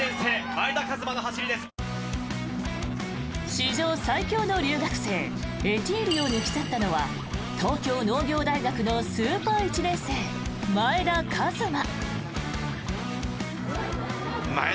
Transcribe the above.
史上最強の留学生エティーリを抜き去ったのは東京農業大学のスーパー１年生前田和摩。